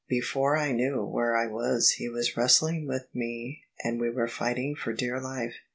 Before I knew where I was he was wrestling with me and we were fighting for dear life.